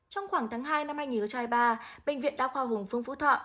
trong khoảng tháng hai năm anh nhớ trai ba bệnh viện đa khoa hùng phương phú thọ